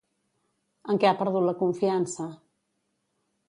En què ha perdut la confiança?